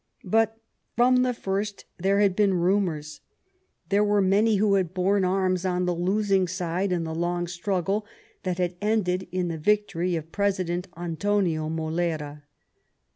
But from the first there had been murmurs. There were many who had borne arms on the losing side in the long struggle that had ended in the victory of President Antonio Molara.